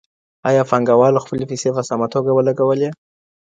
ایا پانګوالو خپلي پيسي په سمه توګه ولګولي؟